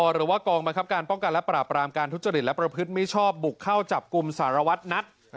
หรือว่ากองบังคับการป้องกันและปราบรามการทุจริตและประพฤติมิชอบบุกเข้าจับกลุ่มสารวัตรนัท